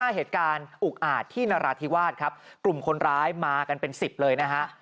เหตุการณ์อุกอาจที่นราธิวาสครับกลุ่มคนร้ายมากันเป็นสิบเลยนะฮะ